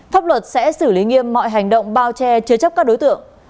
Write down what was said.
pháp luật sẽ xử lý nghiêm mọi hành động bao che chứa chấp các đối tượng